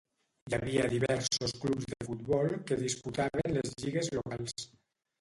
Hi havia diversos clubs de futbol que disputaven les lligues locals.